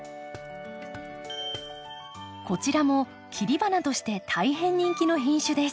こちらも切り花として大変人気の品種です。